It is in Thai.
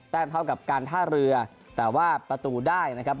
เท่ากับการท่าเรือแต่ว่าประตูได้นะครับ